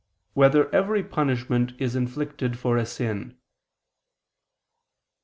7] Whether Every Punishment Is Inflicted for a Sin?